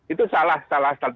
itu salah salah secara